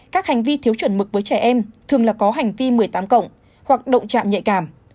các hành vi thiếu chuẩn mực với trẻ em thường là có hành vi một mươi tám cộng hoặc động trạm nhạy cảm